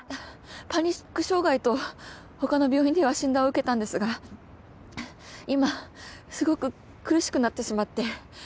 パニック障害と他の病院では診断を受けたんですが今すごく苦しくなってしまって。